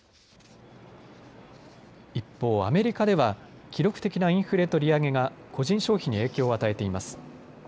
一方、アメリカでは記録的なインフレと利上げが個人消費に影響を与えています。